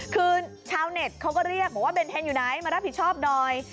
คือชาวเน็ตเขาก็เรียกบอกว่าเบนเทนอยู่ไหนมารับผิดชอบหน่อย